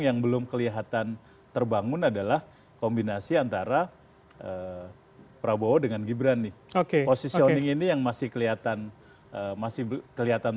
yang belum kelihatan terbangun adalah kombinasi antara prabowo dengan gibran nih oke